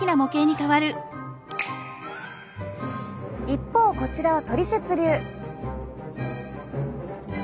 一方こちらはトリセツ流。